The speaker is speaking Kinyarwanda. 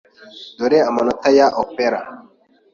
Dore amanota ya opera.